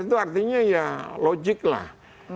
itu artinya ya logik lah